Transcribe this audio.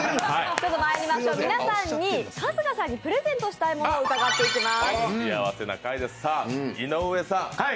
皆さんに春日さんにプレゼントしたいものを伺っていきます。